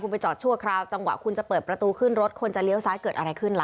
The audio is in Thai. ไปจอดชั่วคราวจังหวะคุณจะเปิดประตูขึ้นรถคนจะเลี้ยวซ้ายเกิดอะไรขึ้นล่ะ